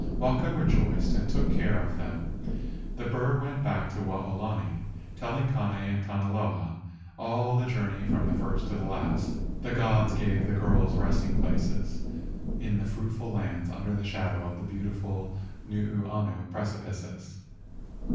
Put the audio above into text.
Waka rejoiced and took care of them. The THE MAID OF THE GOLDEN CLOUD 123 bird went back to Waolani, telling Kane and Kanaloa all the journey from first to last. The gods gave the girls resting places in the fruitful lands under the shadow of the beautiful Nuuanu precipices.